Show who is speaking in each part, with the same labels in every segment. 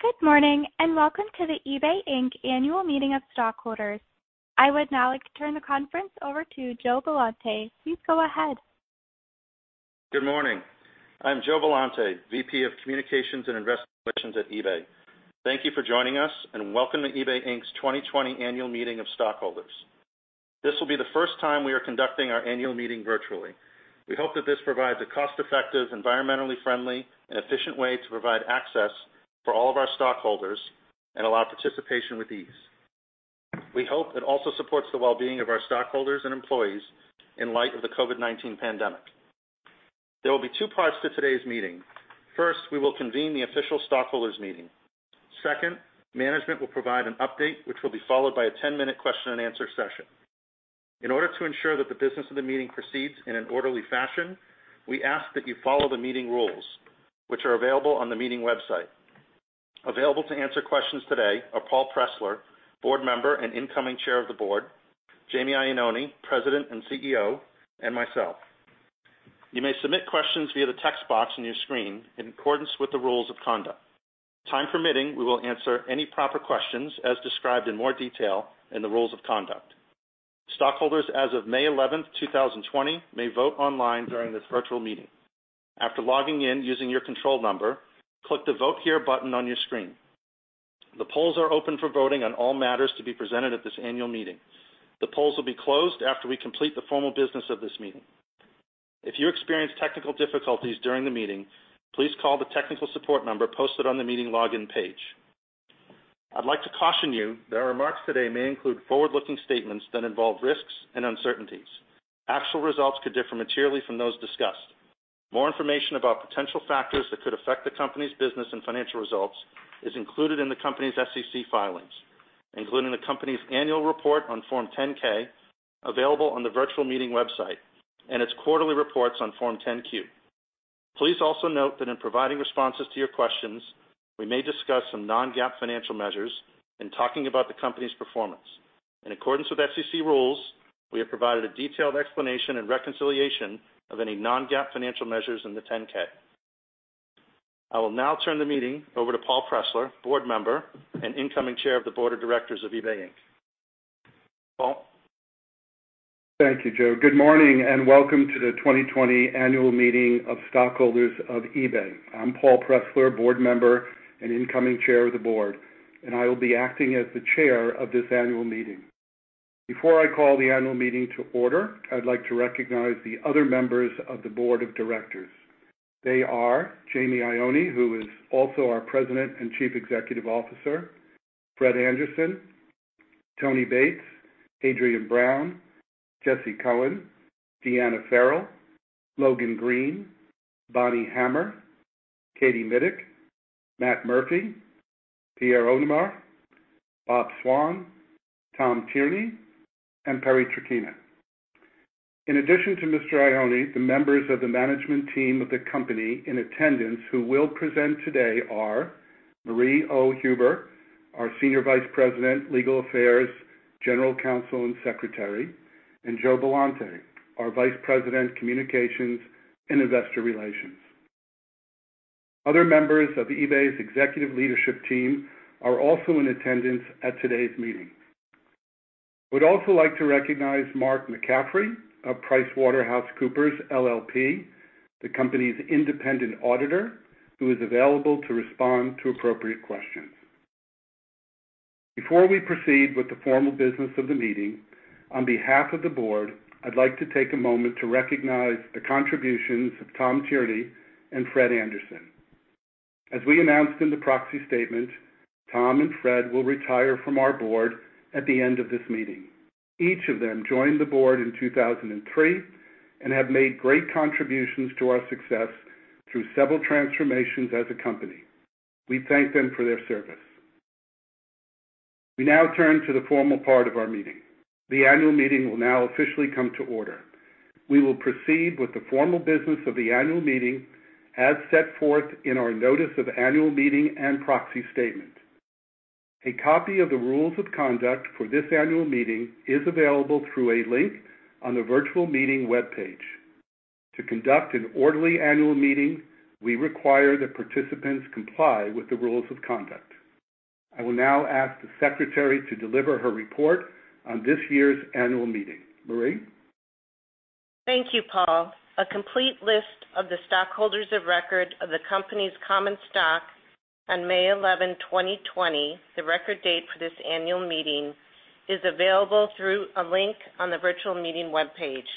Speaker 1: Good morning, and welcome to the eBay Inc. Annual Meeting of Stockholders. I would now like to turn the conference over to Joe Billante. Please go ahead.
Speaker 2: Good morning. I'm Joe Billante, VP of Communications and Investor Relations at eBay. Thank you for joining us, and welcome to eBay Inc.'s 2020 Annual Meeting of Stockholders. This will be the first time we are conducting our annual meeting virtually. We hope that this provides a cost-effective, environmentally friendly, and efficient way to provide access for all of our stockholders and allow participation with ease. We hope it also supports the well-being of our stockholders and employees in light of the COVID-19 pandemic. There will be two parts to today's meeting. First, we will convene the official stockholders meeting. Second, management will provide an update, which will be followed by a 10-minute question and answer session. In order to ensure that the business of the meeting proceeds in an orderly fashion, we ask that you follow the meeting rules, which are available on the meeting website. Available to answer questions today are Paul S. Pressler, board member and incoming chair of the board, Jamie Iannone, president and CEO, and myself. You may submit questions via the text box on your screen in accordance with the rules of conduct. Time permitting, we will answer any proper questions as described in more detail in the rules of conduct. Stockholders as of May 11th, 2020, may vote online during this virtual meeting. After logging in using your control number, click the Vote Here button on your screen. The polls are open for voting on all matters to be presented at this annual meeting. The polls will be closed after we complete the formal business of this meeting. If you experience technical difficulties during the meeting, please call the technical support number posted on the meeting login page. I'd like to caution you that our remarks today may include forward-looking statements that involve risks and uncertainties. Actual results could differ materially from those discussed. More information about potential factors that could affect the company's business and financial results is included in the company's SEC filings, including the company's annual report on Form 10-K, available on the virtual meeting website, and its quarterly reports on Form 10-Q. Please also note that in providing responses to your questions, we may discuss some non-GAAP financial measures in talking about the company's performance. In accordance with SEC rules, we have provided a detailed explanation and reconciliation of any non-GAAP financial measures in the 10-K. I will now turn the meeting over to Paul Pressler, board member and incoming Chair of the Board of Directors of eBay Inc. Paul?
Speaker 3: Thank you, Joe. Good morning, and welcome to the 2020 Annual Meeting of Stockholders of eBay. I'm Paul Pressler, board member and incoming chair of the board, and I will be acting as the chair of this annual meeting. Before I call the annual meeting to order, I'd like to recognize the other members of the board of directors. They are Jamie Iannone, who is also our President and Chief Executive Officer, Fred Anderson, Tony Bates, Adriane Brown, Jesse Cohn, Diana Farrell, Logan Green, Bonnie Hammer, Katie Mitic, Matt Murphy, Pierre Omidyar, Bob Swan, Tom Tierney, and Perry Traquina. In addition to Mr. Iannone, the members of the management team of the company in attendance who will present today are Marie Oh Huber, our Senior Vice President, Legal Affairs, General Counsel, and Secretary, and Joe Billante, our Vice President, Communications and Investor Relations. Other members of eBay's executive leadership team are also in attendance at today's meeting. We'd also like to recognize Mark McCaffrey of PricewaterhouseCoopers LLP, the company's independent auditor, who is available to respond to appropriate questions. Before we proceed with the formal business of the meeting, on behalf of the board, I'd like to take a moment to recognize the contributions of Tom Tierney and Fred Anderson. As we announced in the proxy statement, Tom and Fred will retire from our board at the end of this meeting. Each of them joined the board in 2003 and have made great contributions to our success through several transformations as a company. We thank them for their service. We now turn to the formal part of our meeting. The annual meeting will now officially come to order. We will proceed with the formal business of the annual meeting as set forth in our notice of annual meeting and proxy statement. A copy of the rules of conduct for this annual meeting is available through a link on the virtual meeting webpage. To conduct an orderly annual meeting, we require that participants comply with the rules of conduct. I will now ask the secretary to deliver her report on this year's annual meeting. Marie?
Speaker 4: Thank you, Paul. A complete list of the stockholders of record of the company's common stock on May 11, 2020, the record date for this annual meeting, is available through a link on the virtual meeting webpage.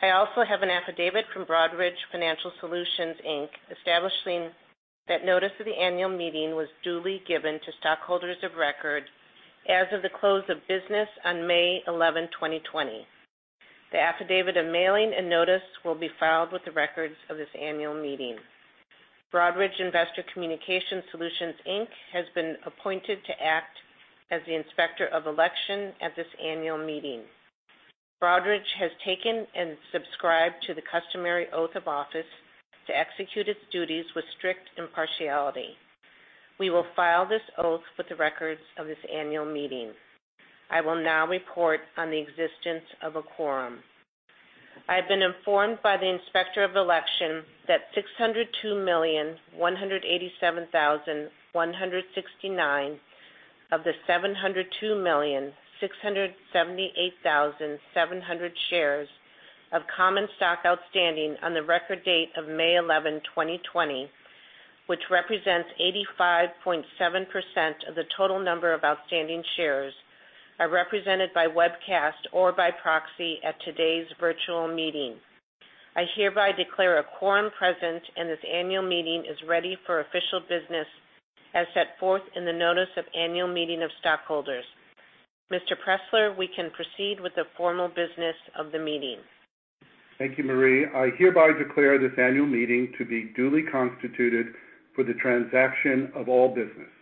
Speaker 4: I also have an affidavit from Broadridge Financial Solutions Inc., establishing that notice of the annual meeting was duly given to stockholders of record as of the close of business on May 11, 2020. The affidavit of mailing and notice will be filed with the records of this annual meeting. Broadridge Investor Communication Solutions Inc. has been appointed to act as the inspector of election at this annual meeting. Broadridge has taken and subscribed to the customary oath of office to execute its duties with strict impartiality. We will file this oath with the records of this annual meeting. I will now report on the existence of a quorum. I have been informed by the Inspector of Election that 602,187,169 of the 702,678,700 shares of common stock outstanding on the record date of May 11, 2020, which represents 85.7% of the total number of outstanding shares, are represented by webcast or by proxy at today's virtual meeting. I hereby declare a quorum present, and this annual meeting is ready for official business as set forth in the notice of annual meeting of stockholders. Mr. Pressler, we can proceed with the formal business of the meeting.
Speaker 3: Thank you, Marie. I hereby declare this annual meeting to be duly constituted for the transaction of all business.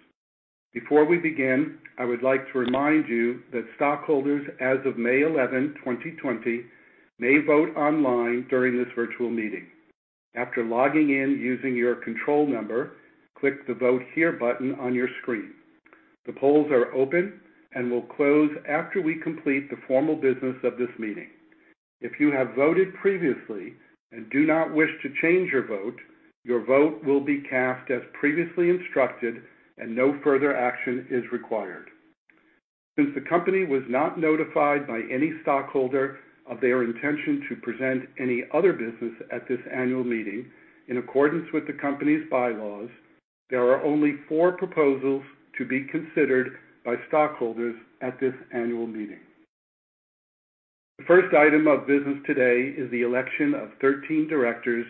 Speaker 3: Before we begin, I would like to remind you that stockholders as of May 11, 2020, may vote online during this virtual meeting. After logging in using your control number, click the Vote Here button on your screen. The polls are open and will close after we complete the formal business of this meeting. If you have voted previously and do not wish to change your vote, your vote will be cast as previously instructed and no further action is required. Since the company was not notified by any stockholder of their intention to present any other business at this annual meeting, in accordance with the company's bylaws, there are only four proposals to be considered by stockholders at this annual meeting. The first item of business today is the election of 13 directors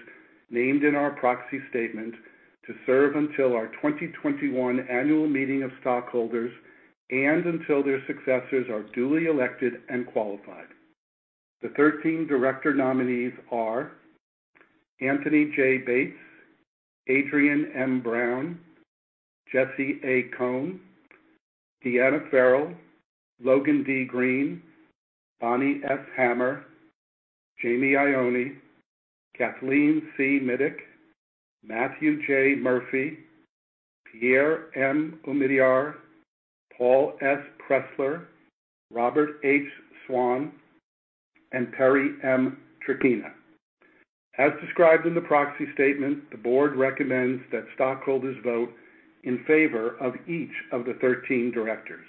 Speaker 3: named in our proxy statement to serve until our 2021 annual meeting of stockholders and until their successors are duly elected and qualified. The 13 director nominees are Anthony J. Bates, Adriane M. Brown, Jesse A. Cohn, Diana Farrell, Logan D. Green, Bonnie S. Hammer, Jamie Iannone, Kathleen C. Mitic, Matthew J. Murphy, Pierre M. Omidyar, Paul S. Pressler, Robert H. Swan, and Perry M. Traquina. As described in the proxy statement, the board recommends that stockholders vote in favor of each of the 13 directors.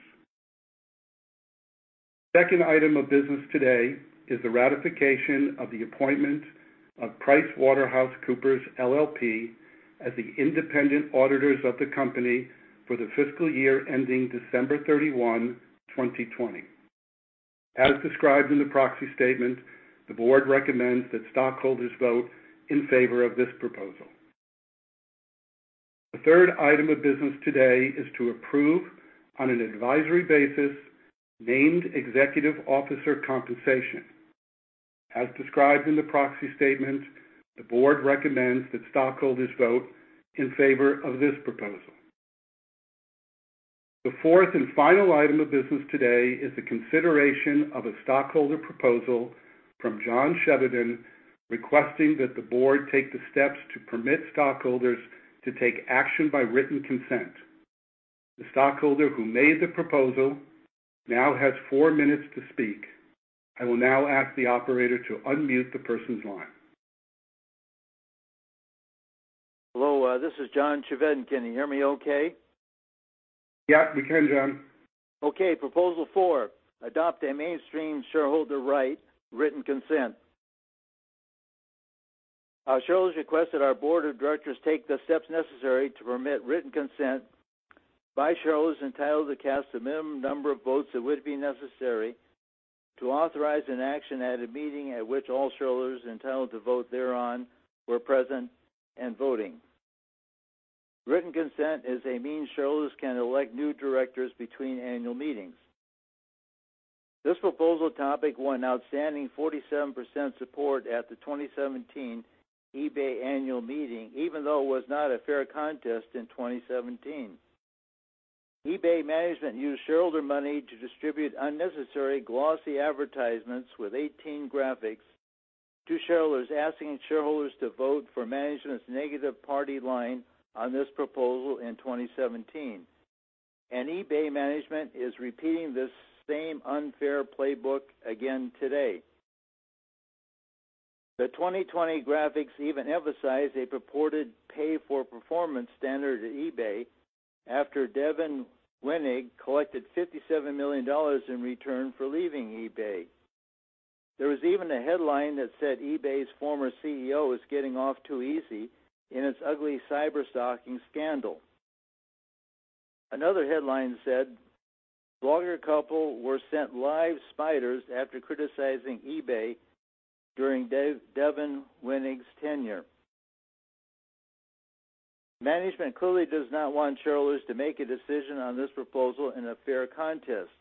Speaker 3: Second item of business today is the ratification of the appointment of PricewaterhouseCoopers LLP as the independent auditors of the company for the fiscal year ending December 31, 2020. As described in the proxy statement, the board recommends that stockholders vote in favor of this proposal. The third item of business today is to approve, on an advisory basis, named executive officer compensation. As described in the proxy statement, the board recommends that stockholders vote in favor of this proposal. The fourth and final item of business today is the consideration of a stockholder proposal from John Chevedden, requesting that the board take the steps to permit stockholders to take action by written consent. The stockholder who made the proposal now has four minutes to speak. I will now ask the operator to unmute the person's line.
Speaker 5: Hello, this is John Chevedden. Can you hear me okay?
Speaker 3: Yep, we can, John.
Speaker 5: Okay, Proposal Four, adopt a mainstream shareholder right, written consent. Our shareholders request that our board of directors take the steps necessary to permit written consent by shareholders entitled to cast the minimum number of votes that would be necessary to authorize an action at a meeting at which all shareholders entitled to vote thereon were present and voting. Written consent is a means shareholders can elect new directors between annual meetings. This proposal topic won outstanding 47% support at the 2017 eBay annual meeting, even though it was not a fair contest in 2017. eBay management used shareholder money to distribute unnecessary glossy advertisements with 18 graphics to shareholders, asking shareholders to vote for management's negative party line on this proposal in 2017. eBay management is repeating this same unfair playbook again today. The 2020 graphics even emphasize a purported pay-for-performance standard at eBay after Devin Wenig collected $57 million in return for leaving eBay. There was even a headline that said eBay's former CEO is getting off too easy in its ugly cyberstalking scandal. Another headline said blogger couple were sent live spiders after criticizing eBay during Devin Wenig's tenure. Management clearly does not want shareholders to make a decision on this proposal in a fair contest.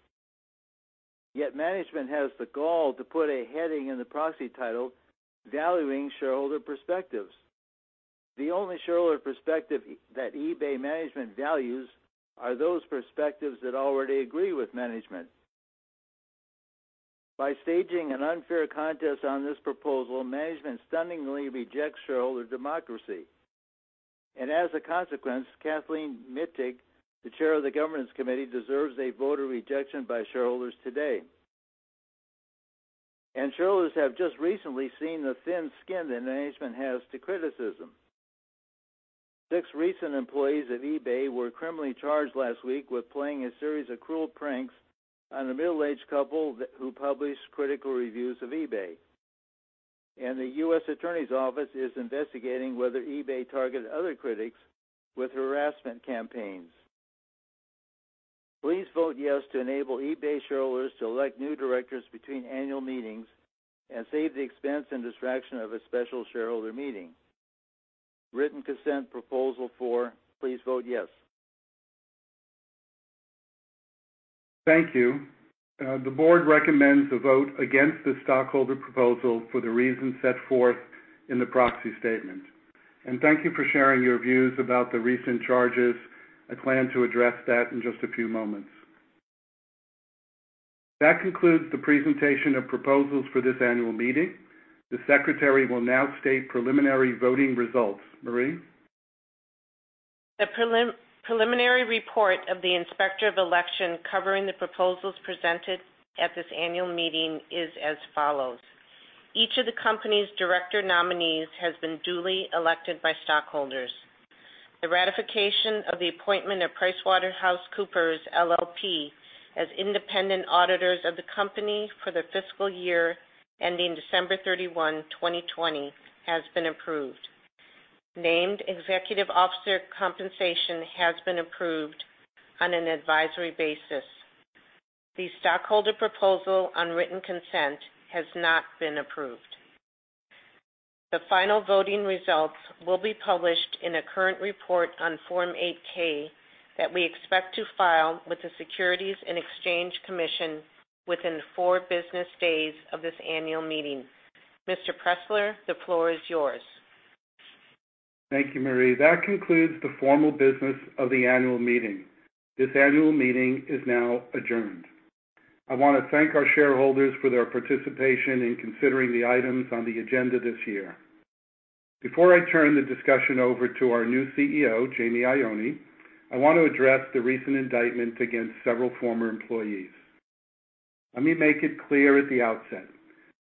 Speaker 5: Management has the gall to put a heading in the proxy title Valuing Shareholder Perspectives. The only shareholder perspective that eBay management values are those perspectives that already agree with management. By staging an unfair contest on this proposal, management stunningly rejects shareholder democracy. As a consequence, Kathleen Mitic, the chair of the governance committee, deserves a voter rejection by shareholders today. Shareholders have just recently seen the thin skin that management has to criticism. Six recent employees of eBay were criminally charged last week with playing a series of cruel pranks on a middle-aged couple who published critical reviews of eBay. The U.S. Attorney's Office is investigating whether eBay targeted other critics with harassment campaigns. Please vote yes to enable eBay shareholders to elect new directors between annual meetings and save the expense and distraction of a special shareholder meeting. Written consent Proposal Four, please vote yes.
Speaker 3: Thank you. The board recommends a vote against the stockholder proposal for the reasons set forth in the proxy statement. Thank you for sharing your views about the recent charges. I plan to address that in just a few moments. That concludes the presentation of proposals for this annual meeting. The secretary will now state preliminary voting results. Marie?
Speaker 4: The preliminary report of the Inspector of Election covering the proposals presented at this annual meeting is as follows. Each of the company's director nominees has been duly elected by stockholders. The ratification of the appointment of PricewaterhouseCoopers LLP, as independent auditors of the company for the fiscal year ending December 31, 2020, has been approved. Named executive officer compensation has been approved on an advisory basis. The stockholder proposal on written consent has not been approved. The final voting results will be published in a current report on Form 8-K that we expect to file with the Securities and Exchange Commission within four business days of this annual meeting. Mr. Pressler, the floor is yours.
Speaker 3: Thank you, Marie. That concludes the formal business of the annual meeting. This annual meeting is now adjourned. I want to thank our shareholders for their participation in considering the items on the agenda this year. Before I turn the discussion over to our new CEO, Jamie Iannone, I want to address the recent indictment against several former employees. Let me make it clear at the outset,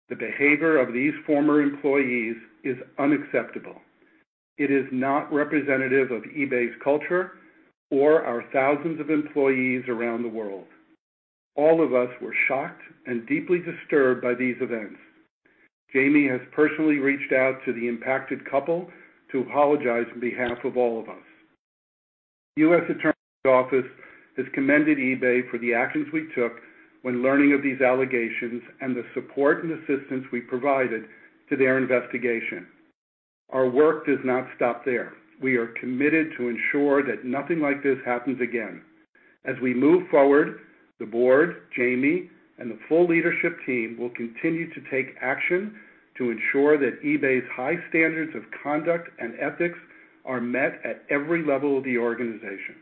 Speaker 3: the behavior of these former employees is unacceptable. It is not representative of eBay's culture or our thousands of employees around the world. All of us were shocked and deeply disturbed by these events. Jamie has personally reached out to the impacted couple to apologize on behalf of all of us. U.S. Attorney's Office has commended eBay for the actions we took when learning of these allegations and the support and assistance we provided to their investigation. Our work does not stop there. We are committed to ensure that nothing like this happens again. As we move forward, the board, Jamie, and the full leadership team will continue to take action to ensure that eBay's high standards of conduct and ethics are met at every level of the organization.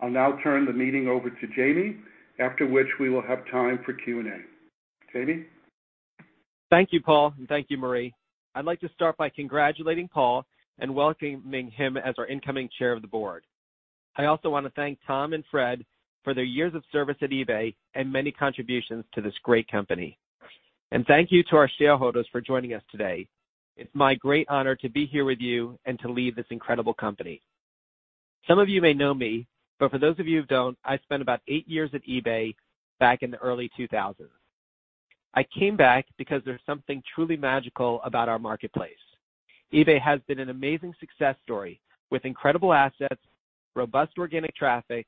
Speaker 3: I'll now turn the meeting over to Jamie, after which we will have time for Q&A. Jamie?
Speaker 6: Thank you, Paul, and thank you, Marie. I'd like to start by congratulating Paul and welcoming him as our incoming Chair of the Board. I also want to thank Tom and Fred for their years of service at eBay and many contributions to this great company. Thank you to our shareholders for joining us today. It's my great honor to be here with you and to lead this incredible company. Some of you may know me, but for those of you who don't, I spent about eight years at eBay back in the early 2000s. I came back because there's something truly magical about our marketplace. eBay has been an amazing success story with incredible assets, robust organic traffic,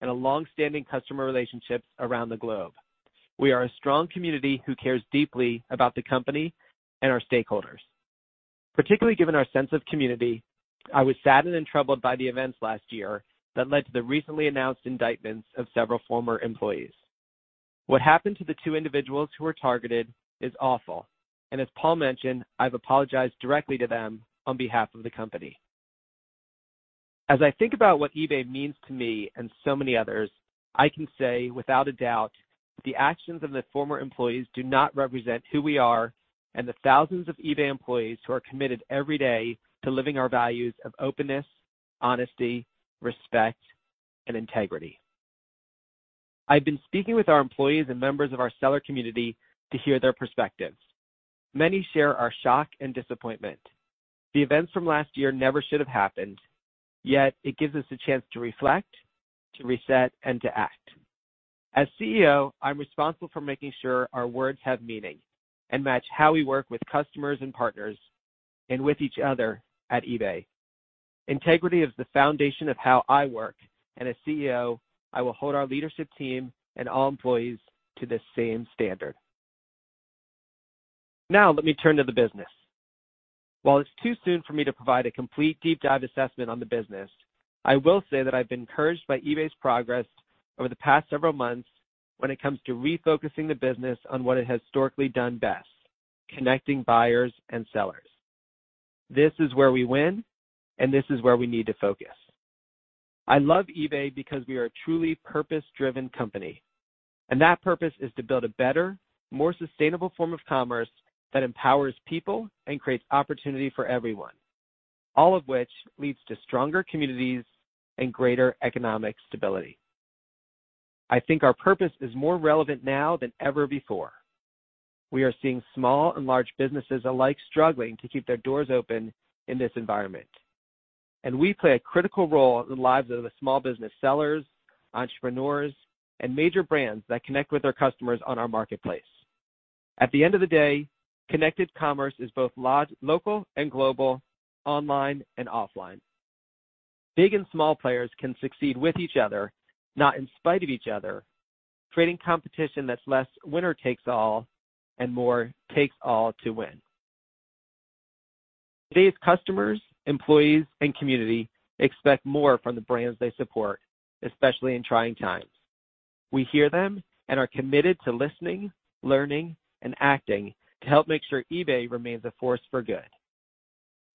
Speaker 6: and longstanding customer relationships around the globe. We are a strong community who cares deeply about the company and our stakeholders. Particularly given our sense of community, I was saddened and troubled by the events last year that led to the recently announced indictments of several former employees. What happened to the two individuals who were targeted is awful, and as Paul mentioned, I've apologized directly to them on behalf of the company. As I think about what eBay means to me and so many others, I can say without a doubt, the actions of the former employees do not represent who we are and the thousands of eBay employees who are committed every day to living our values of openness, honesty, respect, and integrity. I've been speaking with our employees and members of our seller community to hear their perspectives. Many share our shock and disappointment. The events from last year never should have happened, yet it gives us a chance to reflect, to reset, and to act. As CEO, I'm responsible for making sure our words have meaning and match how we work with customers and partners, and with each other at eBay. Integrity is the foundation of how I work, and as CEO, I will hold our leadership team and all employees to the same standard. Now let me turn to the business. While it's too soon for me to provide a complete deep dive assessment on the business, I will say that I've been encouraged by eBay's progress over the past several months when it comes to refocusing the business on what it has historically done best, connecting buyers and sellers. This is where we win, and this is where we need to focus. I love eBay because we are a truly purpose-driven company, and that purpose is to build a better, more sustainable form of commerce that empowers people and creates opportunity for everyone, all of which leads to stronger communities and greater economic stability. I think our purpose is more relevant now than ever before. We are seeing small and large businesses alike struggling to keep their doors open in this environment, and we play a critical role in the lives of the small business sellers, entrepreneurs, and major brands that connect with our customers on our marketplace. At the end of the day, connected commerce is both local and global, online and offline. Big and small players can succeed with each other, not in spite of each other, creating competition that's less winner takes all and more takes all to win. Today's customers, employees, and community expect more from the brands they support, especially in trying times. We hear them and are committed to listening, learning, and acting to help make sure eBay remains a force for good.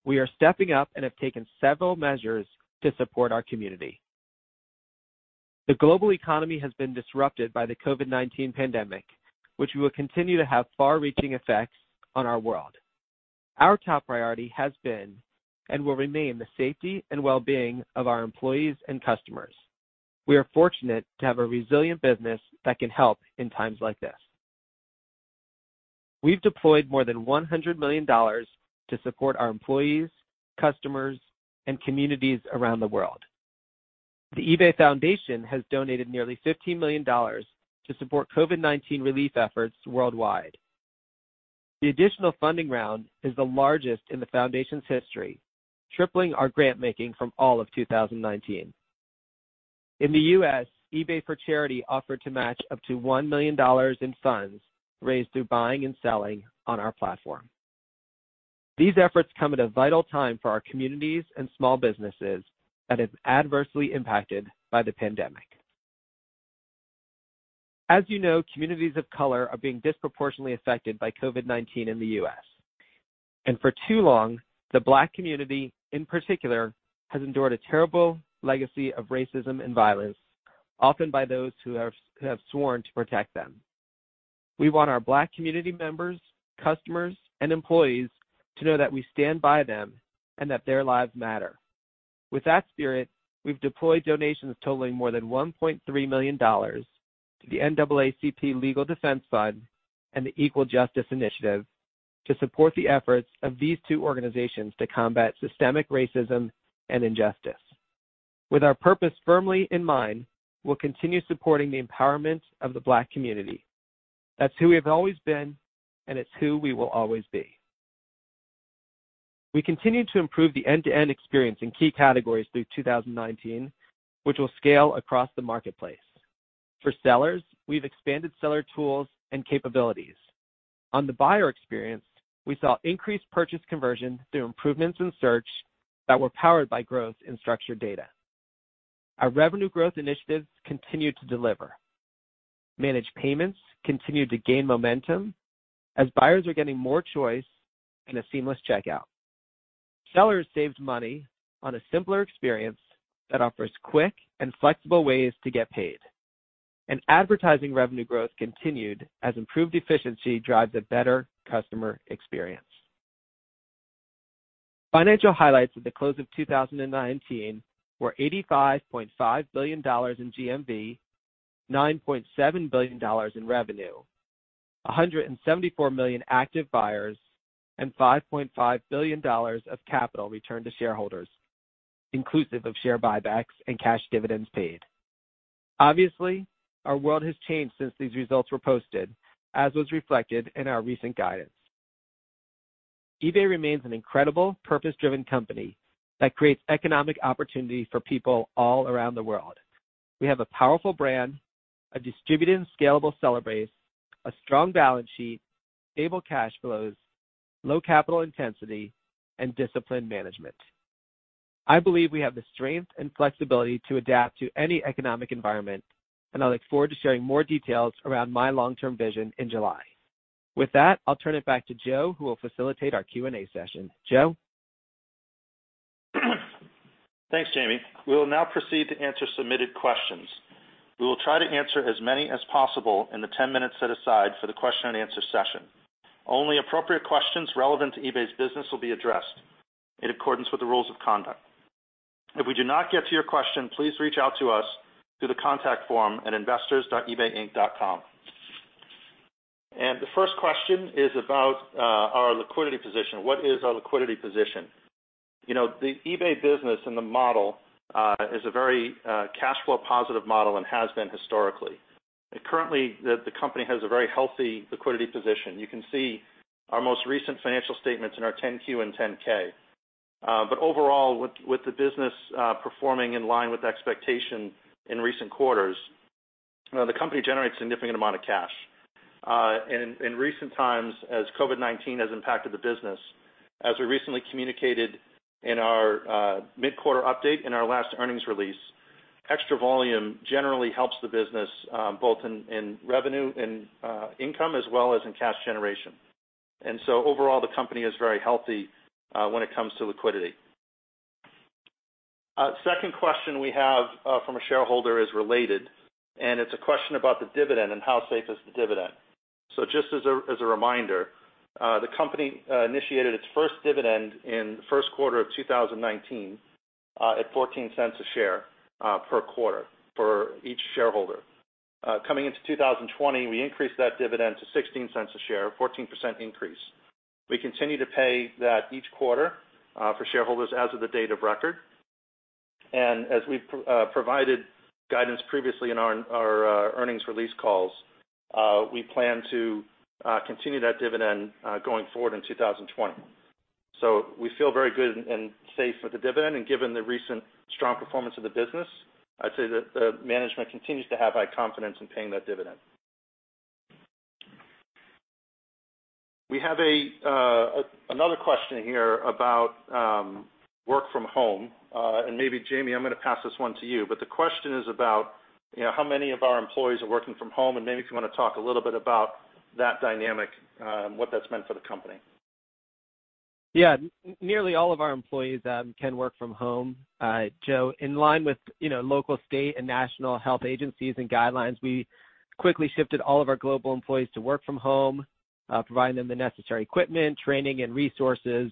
Speaker 6: We are stepping up and have taken several measures to support our community. The global economy has been disrupted by the COVID-19 pandemic, which will continue to have far-reaching effects on our world. Our top priority has been and will remain the safety and wellbeing of our employees and customers. We are fortunate to have a resilient business that can help in times like this. We've deployed more than $100 million to support our employees, customers, and communities around the world. The eBay Foundation has donated nearly $15 million to support COVID-19 relief efforts worldwide. The additional funding round is the largest in the foundation's history, tripling our grant-making from all of 2019. In the U.S., eBay for Charity offered to match up to $1 million in funds raised through buying and selling on our platform. These efforts come at a vital time for our communities and small businesses that is adversely impacted by the pandemic. As you know, communities of color are being disproportionately affected by COVID-19 in the U.S. For too long, the Black community in particular, has endured a terrible legacy of racism and violence, often by those who have sworn to protect them. We want our Black community members, customers, and employees to know that we stand by them and that their lives matter. With that spirit, we've deployed donations totaling more than $1.3 million to the NAACP Legal Defense Fund and the Equal Justice Initiative to support the efforts of these two organizations to combat systemic racism and injustice. With our purpose firmly in mind, we'll continue supporting the empowerment of the Black community. That's who we've always been, and it's who we will always be. We continue to improve the end-to-end experience in key categories through 2019, which will scale across the marketplace. For sellers, we've expanded seller tools and capabilities. On the buyer experience, we saw increased purchase conversion through improvements in search that were powered by growth in structured data. Our revenue growth initiatives continued to deliver. Managed Payments continued to gain momentum as buyers are getting more choice and a seamless checkout. Sellers saved money on a simpler experience that offers quick and flexible ways to get paid. Advertising revenue growth continued as improved efficiency drives a better customer experience. Financial highlights at the close of 2019 were $85.5 billion in GMV, $9.7 billion in revenue, 174 million active buyers, and $5.5 billion of capital returned to shareholders, inclusive of share buybacks and cash dividends paid. Obviously, our world has changed since these results were posted, as was reflected in our recent guidance. eBay remains an incredible, purpose-driven company that creates economic opportunity for people all around the world. We have a powerful brand, a distributed and scalable seller base, a strong balance sheet, stable cash flows, low capital intensity, and disciplined management. I believe we have the strength and flexibility to adapt to any economic environment, and I look forward to sharing more details around my long-term vision in July. With that, I'll turn it back to Joe, who will facilitate our Q&A session. Joe?
Speaker 2: Thanks, Jamie. We will now proceed to answer submitted questions. We will try to answer as many as possible in the 10 minutes set aside for the question and answer session. Only appropriate questions relevant to eBay's business will be addressed in accordance with the rules of conduct. If we do not get to your question, please reach out to us through the contact form at investors.ebayinc.com. The first question is about our liquidity position. What is our liquidity position? The eBay business and the model is a very cash flow positive model and has been historically. Currently, the company has a very healthy liquidity position. You can see our most recent financial statements in our Form 10-Q and Form 10-K. Overall, with the business performing in line with expectation in recent quarters, the company generates a significant amount of cash. In recent times, as COVID-19 has impacted the business, as we recently communicated in our mid-quarter update and our last earnings release, extra volume generally helps the business both in revenue and income as well as in cash generation. Overall, the company is very healthy when it comes to liquidity. Second question we have from a shareholder is related, and it's a question about the dividend and how safe is the dividend. Just as a reminder, the company initiated its first dividend in the first quarter of 2019 at $0.14 a share per quarter for each shareholder. Coming into 2020, we increased that dividend to $0.16 a share, a 14% increase. We continue to pay that each quarter for shareholders as of the date of record. As we've provided guidance previously in our earnings release calls, we plan to continue that dividend going forward in 2020. We feel very good and safe with the dividend. Given the recent strong performance of the business, I'd say that management continues to have high confidence in paying that dividend. We have another question here about work from home. Maybe Jamie Iannone, I'm going to pass this one to you, but the question is about how many of our employees are working from home, and maybe if you want to talk a little bit about that dynamic, what that's meant for the company.
Speaker 6: Yeah. Nearly all of our employees can work from home, Joe. In line with local state and national health agencies and guidelines, we quickly shifted all of our global employees to work from home, providing them the necessary equipment, training, and resources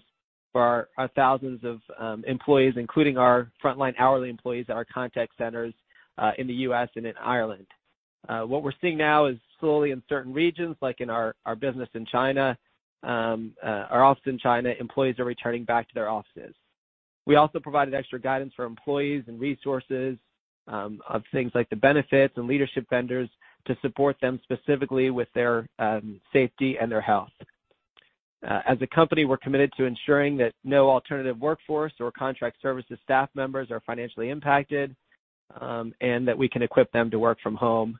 Speaker 6: for our thousands of employees, including our frontline hourly employees at our contact centers in the U.S. and in Ireland. What we're seeing now is slowly in certain regions, like in our business in China, our office in China, employees are returning back to their offices. We also provided extra guidance for employees and resources on things like the benefits and leadership vendors to support them specifically with their safety and their health. As a company, we're committed to ensuring that no alternative workforce or contract services staff members are financially impacted, and that we can equip them to work from home.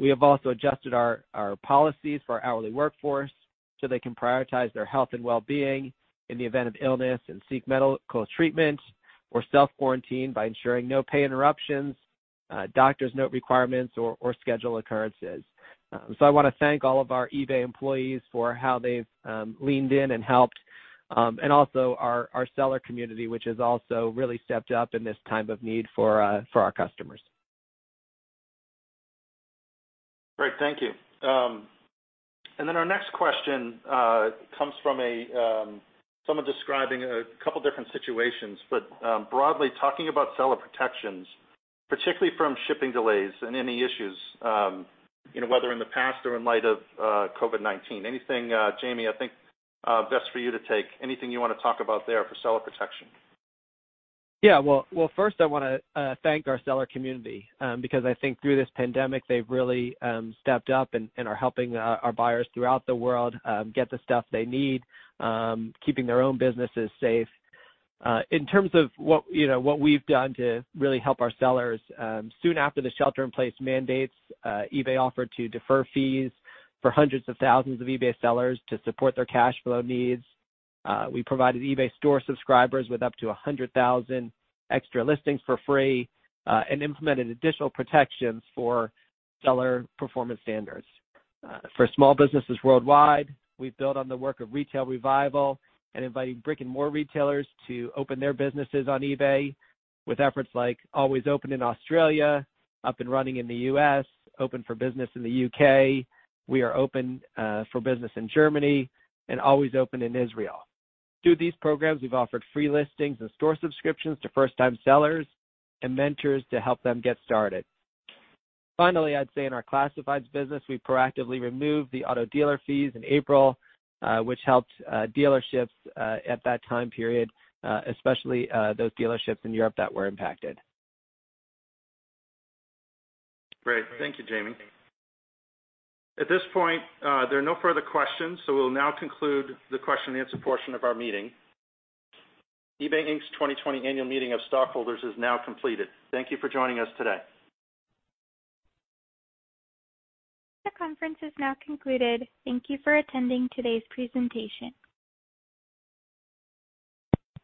Speaker 6: We have also adjusted our policies for our hourly workforce so they can prioritize their health and wellbeing in the event of illness and seek medical treatment or self-quarantine by ensuring no pay interruptions, doctor's note requirements, or schedule occurrences. I want to thank all of our eBay employees for how they've leaned in and helped, and also our seller community, which has also really stepped up in this time of need for our customers.
Speaker 2: Great. Thank you. Our next question comes from someone describing a couple different situations, but broadly talking about seller protections, particularly from shipping delays and any issues, whether in the past or in light of COVID-19. Anything, Jamie, I think best for you to take. Anything you want to talk about there for seller protection?
Speaker 6: Yeah. Well, first I want to thank our seller community, because I think through this pandemic, they've really stepped up and are helping our buyers throughout the world get the stuff they need, keeping their own businesses safe. In terms of what we've done to really help our sellers, soon after the shelter-in-place mandates, eBay offered to defer fees for hundreds of thousands of eBay sellers to support their cash flow needs. We provided eBay store subscribers with up to 100,000 extra listings for free and implemented additional protections for seller performance standards. For small businesses worldwide, we've built on the work of Retail Revival and inviting brick-and-mortar retailers to open their businesses on eBay with efforts like Always Open in Australia, Up & Running in the U.S., Open for Business in the U.K., We are Open for Business in Germany, and Always Open in Israel. Through these programs, we've offered free listings and store subscriptions to first-time sellers and mentors to help them get started. I'd say in our classifieds business, we proactively removed the auto dealer fees in April, which helped dealerships at that time period, especially those dealerships in Europe that were impacted.
Speaker 2: Great. Thank you, Jamie. At this point, there are no further questions, so we'll now conclude the question and answer portion of our meeting. eBay Inc.'s 2020 Annual Meeting of Stockholders is now completed. Thank you for joining us today.
Speaker 1: The conference is now concluded. Thank you for attending today's presentation.